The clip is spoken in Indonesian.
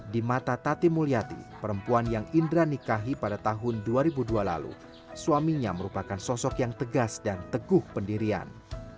di mata tati mulyati perempuan yang indra nikahi pada tahun dua ribu dua lalu suaminya merupakan sosok yang tegas dan teguh pendirian